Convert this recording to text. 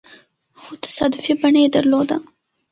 هغو تصادفي بڼه يې درلوده.